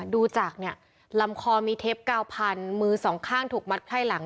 ดูจากเนี่ยลำคอมีเทปกาวพันมือสองข้างถูกมัดไพร่หลัง